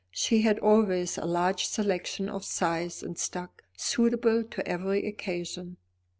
She had always a large selection of sighs in stock, suitable to every occasion.